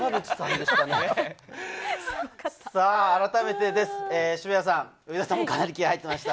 改めて渋谷さん、上田さんもかなり気合入ってました。